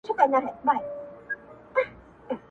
o خلګ وایې د قاضي صاب مهماني ده,